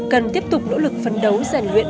cần tiếp tục nỗ lực phấn đấu giàn luyện